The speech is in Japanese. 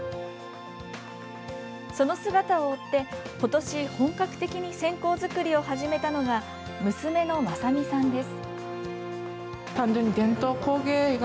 その姿を追って、今年本格的に線香作りを始めたのが娘の雅美さんです。